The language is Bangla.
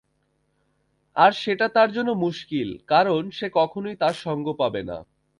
আর সেটা তার জন্য মুশকিল কারণ সে কখনোই তার সঙ্গ পাবে না।